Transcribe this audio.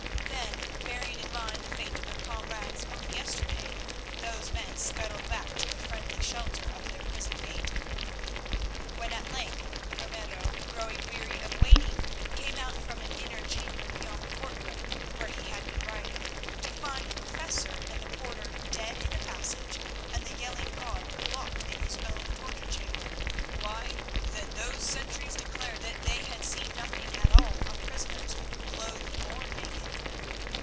Then, bearing in mind the fate of their comrades on the yesterday, those men scuttled back to the friendly shelter of the prison gate. When at length Ramiro, growing weary of waiting, came out from an inner chamber beyond the court room, where he had been writing, to find the Professor and the porter dead in the passage, and the yelling guard locked in his own torture chamber, why, then those sentries declared that they had seen nothing at all of prisoners clothed or naked.